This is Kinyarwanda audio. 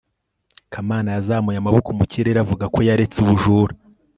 kamana yazamuye amaboko mu kirere avuga ko yaretse ubujura